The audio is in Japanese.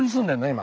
今。